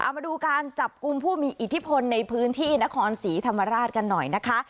มาดูการจับกลุ่มผู้มีอิทธิพลในพื้นที่นครศรีธรรมราชกันหน่อยนะคะ